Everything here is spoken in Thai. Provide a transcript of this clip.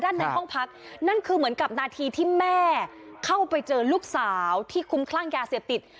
ในห้องพักนั่นคือเหมือนกับนาทีที่แม่เข้าไปเจอลูกสาวที่คุ้มคลั่งยาเสพติด